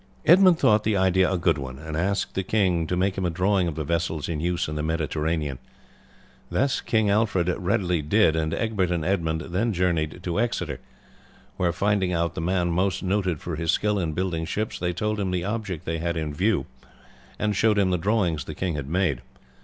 Edmund thought the idea a good one, and asked the king to make him a drawing of the vessels in use in the Mediterranean. This King Alfred readily did, and Egbert and Edmund then journeyed to Exeter, where finding out the man most noted for his skill in building ships, they told him the object they had in view, and showed him the drawings the king had made.